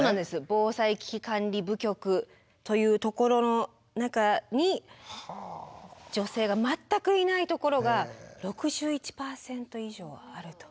防災・危機管理部局というところの中に女性が全くいないところが６１％以上あると。